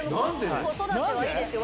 子育てはいいですよ